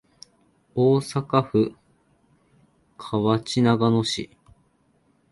大阪府河内長野市